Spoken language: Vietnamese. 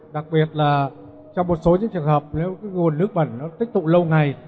đặc biệt là trong một số những trường hợp nếu cái nguồn nước bẩn nó tích tụ lâu ngày